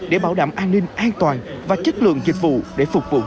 để bảo đảm an ninh an toàn và chất lượng dịch vụ để phục vụ du khách